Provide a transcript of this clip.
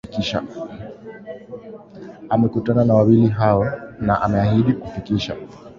amekutana na wawili hao na ameahidi kufikisha